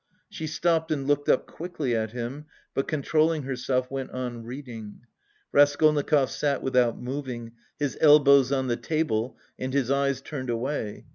She stopped and looked up quickly at him, but controlling herself went on reading. Raskolnikov sat without moving, his elbows on the table and his eyes turned away.